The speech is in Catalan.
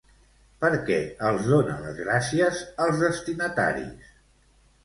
Per què els dona les gràcies als destinataris?